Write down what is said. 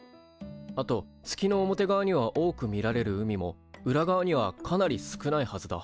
あと月の表側には多く見られる海も裏側にはかなり少ないはずだ。